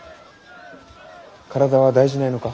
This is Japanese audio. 体は大事ないのか？